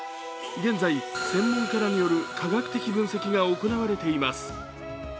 現在、専門家らによる科学的分析が行われています。